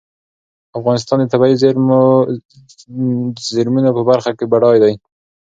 افغانستان د طبیعي زېرمونو په برخه کې بډای دی.